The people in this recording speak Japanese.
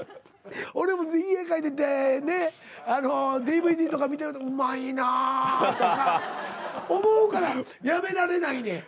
俺も家帰ってねＤＶＤとか見てるとうまいなぁとか思うからやめられないねん。